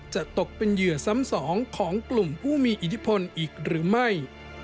ตกเป็นเหยื่อซ้ำสองของกลุ่มผู้มีอิทธิพลอีกหรือไม่